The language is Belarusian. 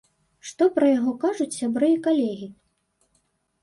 Што пра яго кажуць сябры і калегі?